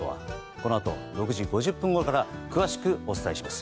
このあと６時５０分ごろから詳しくお伝えします。